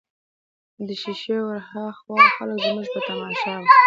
د شېشې ورهاخوا خلک زموږ په تماشه ول.